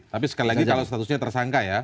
tapi sekali lagi kalau statusnya tersangka ya